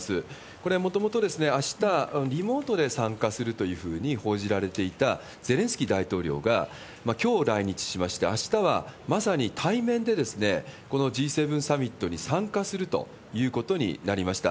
これ、もともとあした、リモートで参加するというふうに報じられていたゼレンスキー大統領が、きょう来日しまして、あしたはまさに対面でこのＧ７サミットに参加するということになりました。